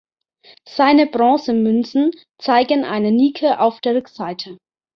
Seine Bronzemünzen zeigen eine Nike auf der Rückseite.